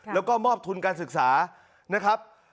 แล้วก็มอบทุนการศึกษานะครับ